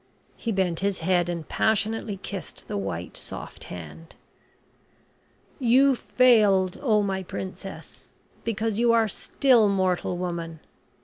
He bent his head and passionately kissed the white, soft hand. "You failed, oh, my Princess! because you are still mortal woman.